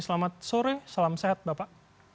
selamat sore salam sehat bapak